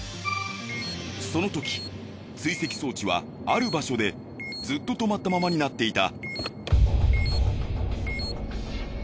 その時追跡装置はある場所でずっと止まったままになっていた。